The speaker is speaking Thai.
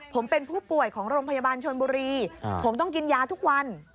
ผมเป็นผู้ป่วยของโรงพยาบาลชนบุรีผมต้องกินยาทุกวัน